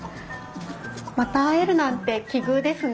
また会えるなんて奇遇ですね。